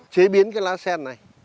chế biến cái lá sen này